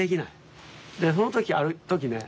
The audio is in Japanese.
その時ある時ね